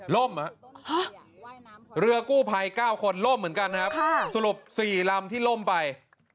ล่มเหรอคะเรือกู้ไพล๙คนล่มเหมือนกันครับสรุป๔ลำที่ล่มไป